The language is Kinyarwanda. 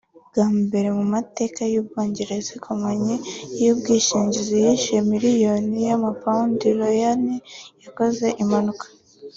Bwa mbere mu mateka y’ubwongereza ikompanyi y’ubwishingizi yishyuye miliyoni y’amapawundi Rowan yakoze impanuka